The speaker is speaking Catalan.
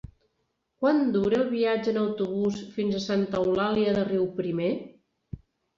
Quant dura el viatge en autobús fins a Santa Eulàlia de Riuprimer?